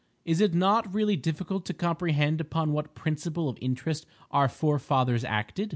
Is it not really difficult to comprehend upon what principle of interest our forefathers acted?